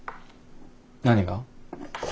何が？